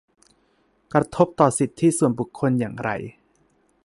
กระทบต่อสิทธิส่วนบุคคลอย่างไร